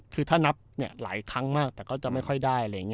คือถ้านับหลายครั้งมากแต่ก็จะไม่ค่อยได้